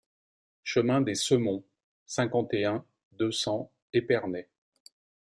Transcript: Chemin des Semonts, cinquante et un, deux cents Épernay